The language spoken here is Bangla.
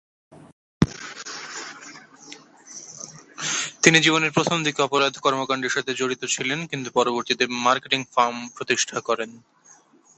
তিনি জীবনের প্রথম দিকে অপরাধ কর্মকাণ্ডের সাথে জড়িত ছিলেন কিন্তু পরবর্তীতে মার্কেটিং ফার্ম প্রতিষ্ঠা করেন।